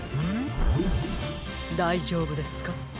だいじょうぶですか？